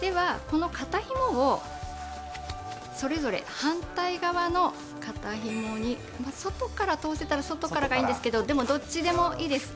この肩ひもをそれぞれ反対側の肩ひもに外から通せたら外からがいいんですけどでもどっちでもいいです。